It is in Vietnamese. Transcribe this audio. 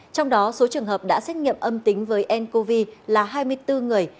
trong đó số trường hợp đã xét nghiệm âm tính với ncov là hai mươi bốn người